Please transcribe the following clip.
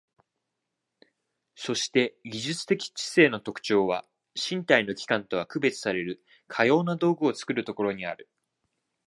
そして技術的知性の特徴は、身体の器官とは区別されるかような道具を作るところにある。